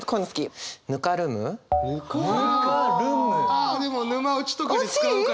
あでも沼落ちとかで使うからね。